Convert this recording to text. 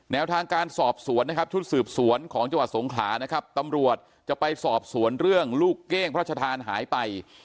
ทางการสอบสวนนะครับชุดสืบสวนของจังหวัดสงขลานะครับตำรวจจะไปสอบสวนเรื่องลูกเก้งพระชธานหายไป